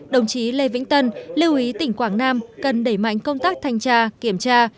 đồng chí lê vĩnh tân lưu ý tỉnh quảng nam cần đẩy mạnh công tác thanh tra kiểm tra